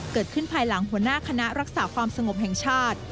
ภายหลังหัวหน้าคณะรักษาความสงบแห่งชาติ